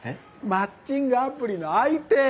マッチングアプリの相手！